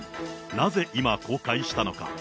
なぜ今公開したのか。